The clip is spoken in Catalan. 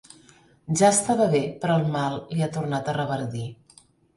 Ja estava bé, però el mal li ha tornat a reverdir.